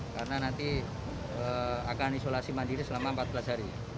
karena nanti akan isolasi mandiri selama empat belas hari